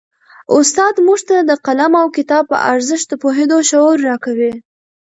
استاد موږ ته د قلم او کتاب په ارزښت د پوهېدو شعور راکوي.